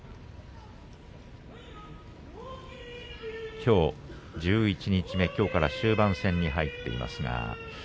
きょう十一日目終盤戦に入っています。